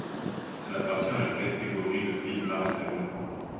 Elle appartient à la catégorie de ville mariale.